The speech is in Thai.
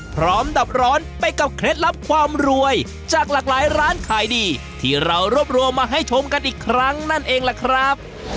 ดับร้อนไปกับเคล็ดลับความรวยจากหลากหลายร้านขายดีที่เรารวบรวมมาให้ชมกันอีกครั้งนั่นเองล่ะครับ